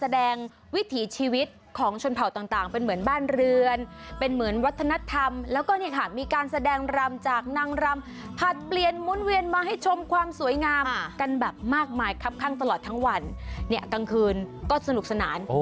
ดามจากนางรำผัดเปลี่ยนมุ่นเวียนมาให้ชมความสวยงามกันแบบมากมายขับข้างตลอดทั้งวันเนี่ยตั้งคือก็สนุกสนาน